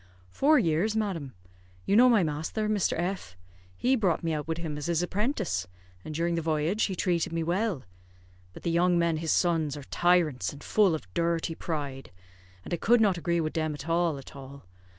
"Four years, madam. You know my masther, Mr. F ; he brought me out wid him as his apprentice, and during the voyage he trated me well. But the young men, his sons, are tyrants, and full of durty pride; and I could not agree wid them at all at all.